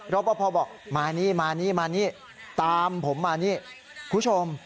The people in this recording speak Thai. ปภบอกมานี่มานี่มานี่ตามผมมานี่คุณผู้ชม